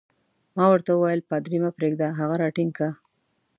ما ورته وویل: پادري مه پرېږده، هغه راټینګ کړه.